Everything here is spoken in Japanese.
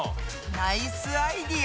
ナイスアイデア！